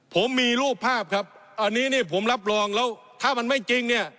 ผมมีรูปภาพครับอันนี้เนี่ยผมรับรองแล้วถ้ามันไม่จริงเนี่ย